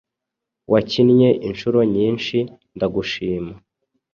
Wakinnye inshuro nyinshi ndagushima